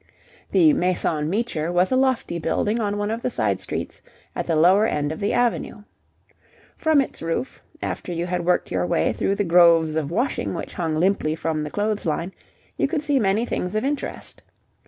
The Maison Meecher was a lofty building on one of the side streets at the lower end of the avenue. From its roof, after you had worked your way through the groves of washing which hung limply from the clothes line, you could see many things of interest.